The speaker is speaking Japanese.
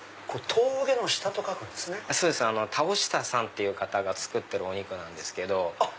峠下さんという方が作ってるお肉なんですけど。